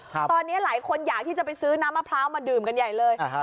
ตอนนี้หลายคนอยากที่จะไปซื้อน้ำมะพร้าวมาดื่มกันใหญ่เลย